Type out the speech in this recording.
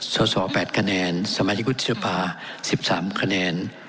สอดสอดแปดคะแนนสมาชิกวุฒิสภาสิบสามคะแนน